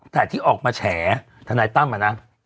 แต่ที่ออกมาแฉถ้านายตั้งมานะ